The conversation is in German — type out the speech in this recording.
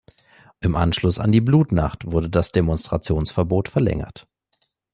Im Anschluss an die "Blutnacht" wurde das Demonstrationsverbot verlängert.